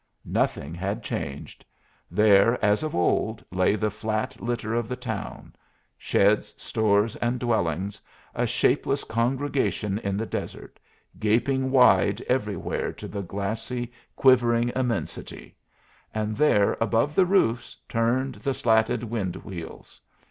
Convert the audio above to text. Nothing had changed. There, as of old, lay the flat litter of the town sheds, stores, and dwellings, a shapeless congregation in the desert, gaping wide everywhere to the glassy, quivering immensity; and there, above the roofs, turned the slatted wind wheels.